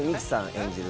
演じる